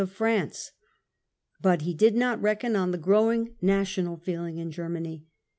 of France. But he did not reckon on the growing national feeling in Germany.